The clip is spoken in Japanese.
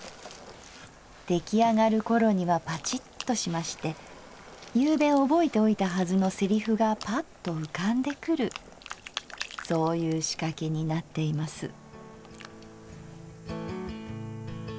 できあがるころにはパチッとしまして昨夕覚えておいたはずのセリフがぱっと浮かんでくるそういうしかけになっています」。